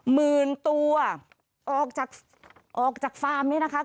หมื่นตัวออกจากออกจากฟาร์มนี้นะคะ